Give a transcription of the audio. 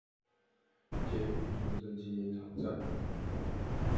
捷運中正紀念堂站